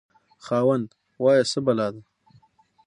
خاوند: وایه څه بلا ده؟